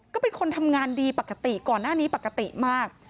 ก็เป็นคนทำงานดีปกติก่อนหน้านี้ปกติมาก